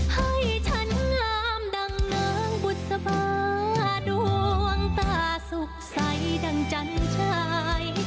ให้ฉันงามดังนางบุษบาดวงตาสุขใสดังจันชาย